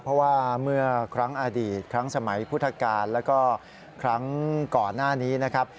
เพราะว่าเมื่อครั้งอดีตครั้งสมัยพุทธกาลแล้วก็ครั้งก่อนหน้านี้นะครับ